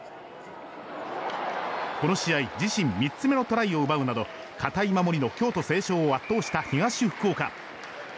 この試合、自身３つ目のトライを奪うなど堅い守りの京都成章を圧勝した東福岡。